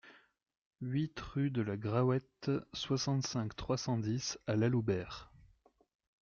huit rue de la Graouette, soixante-cinq, trois cent dix à Laloubère